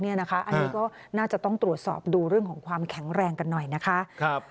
อันนี้ก็น่าจะต้องตรวจสอบดูเรื่องของความแข็งแรงกันหน่อยนะคะ